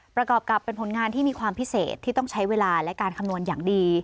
ประกอบกับเป็นผลงานที่มีความพิเศษที่ต้องใช้เวลาและการคำนวณอย่างดี